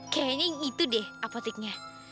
kayaknya itu deh apotiknya